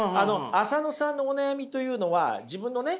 浅野さんのお悩みというのは自分のね